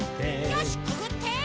よしくぐって！